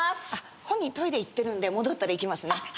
本人トイレ行ってるんで戻ったら行きますね。